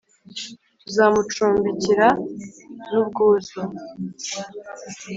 tuzamucumbikira n'ubwuzu,